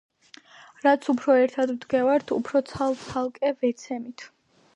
რაც უფრო ერთად ვდგევართ, უფრო ცალ-ცალკე ვეცემით.